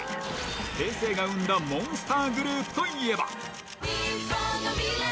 平成が生んだモンスターグループといえば。